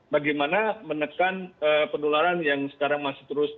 bagaimana menekan penularan yang sekarang masih terus